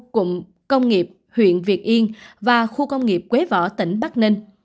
cụm công nghiệp huyện việt yên và khu công nghiệp quế võ tỉnh bắc ninh